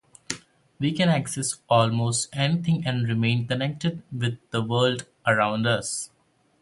We can access almost anything and remain connected with the world around us.